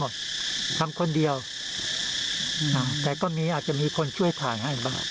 แล้วก็ทำทุกวัน